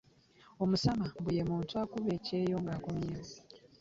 Omusama mbu ye muntu akuba ekyeyo ng'akomyewo.